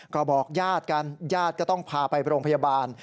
ก็บอกญาติกันญาติก็ต้องพาไปโรงพยาบาล